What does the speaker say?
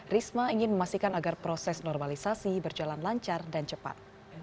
risma ingin memastikan agar proses normalisasi berjalan lancar dan cepat